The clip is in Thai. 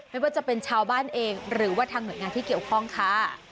ไม่ว่าจะเป็นชาวบ้านเองหรือว่าทางหน่วยงานที่เกี่ยวข้องค่ะ